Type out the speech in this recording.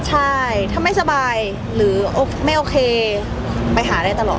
ใช่ถ้าไม่สบายหรือไม่โอเคไปหาได้ตลอด